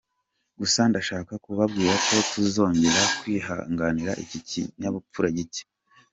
Gusa ndashaka kubabwira ko tutazongera kwihanganira iki kinyabupfura gicye.